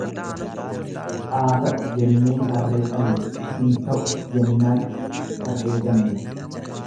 Aata'u jennee harree qalle, hin ta'u jennaan harree ganne.